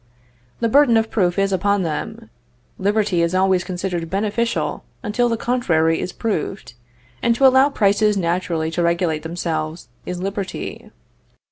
The burden of proof is upon them. Liberty is always considered beneficial until the contrary is proved, and to allow prices naturally to regulate themselves is liberty.